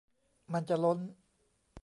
มันจะล้น